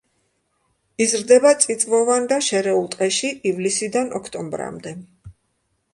იზრდება წიწვოვან და შერეულ ტყეში ივლისიდან ოქტომბრამდე.